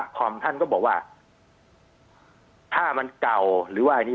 คอมท่านก็บอกว่าถ้ามันเก่าหรือว่าอันนี้